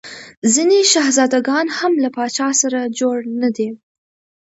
ځیني شهزاده ګان هم له پاچا سره جوړ نه دي.